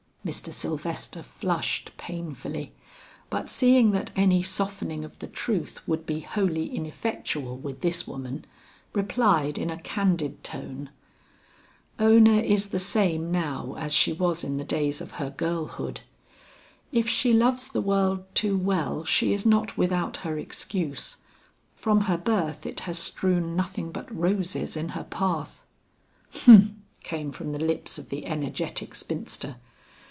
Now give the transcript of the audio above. Mr. Sylvester flushed painfully, but seeing that any softening of the truth would be wholly ineffectual with this woman, replied in a candid tone, "Ona is the same now as she was in the days of her girlhood. If she loves the world too well she is not without her excuse; from her birth it has strewn nothing but roses in her path." "Humph!" came from the lips of the energetic spinster.